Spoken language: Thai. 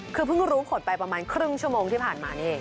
คือเพิ่งรู้ผลไปประมาณครึ่งชั่วโมงที่ผ่านมานี่เอง